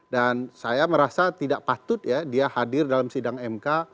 dan saya merasa tidak patut ya dia hadir dalam sidang mk